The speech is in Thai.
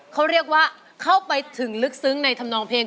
เขาเรียกว่าเข้าไปถึงลึกซึ้งในธรรมนองเพลง